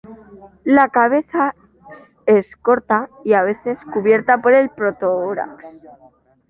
La cabeza es corta y a veces cubierta por el protórax.